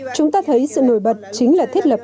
chúng ta thấy sự nổi bật chính là thiết lập